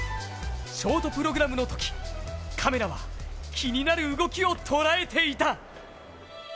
ショートプログラムのときカメラは気になる動きを捉えていた。